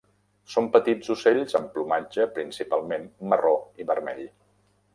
Són petits ocells amb plomatge principalment marró i vermell.